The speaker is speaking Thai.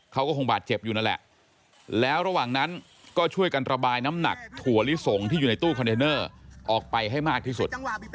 เขาก็คงบาดเจ็บอยู่นั่นแหละแล้วระหว่างนั้นก็ช่วยกันระบายน้ำหนักถั่วลิสงที่อยู่ในตู้คอนเทนเนอร์ออกไปให้มากที่สุด